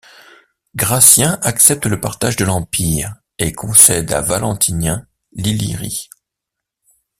Gratien accepte le partage de l’empire et concède à Valentinien l’Illyrie.